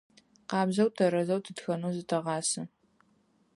Къабзэу, тэрэзэу тытхэнэу зытэгъасэ.